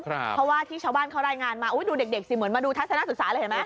เพราะว่าที่ชาวบ้านเขารายงานมาดูเด็กสิเหมือนมาดูทัศนศึกษาเลยเห็นไหม